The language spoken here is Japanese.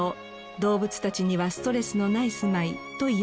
動物たちにはストレスのない住まいといえます。